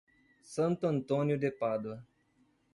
Santo Antônio de Pádua